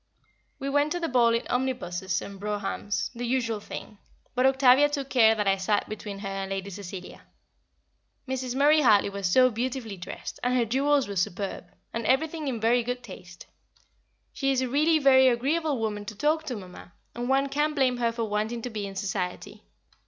We went to the ball in omnibuses and broughams, the usual thing; but Octavia took care that I sat between her and Lady Cecilia. Mrs. Murray Hartley was so beautifully dressed, and her jewels were superb, and everything in very good taste. She is really a very agreeable woman to talk to, Mamma, and one can't blame her for wanting to be in Society.